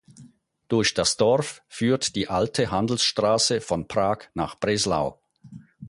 Durch das Dorf führt die alte Handelsstraße von Prag nach Breslau.